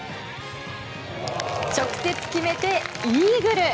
直接決めてイーグル。